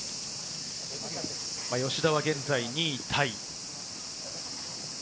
吉田は現在２位タイ。